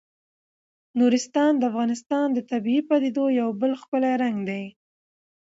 نورستان د افغانستان د طبیعي پدیدو یو بل ښکلی رنګ دی.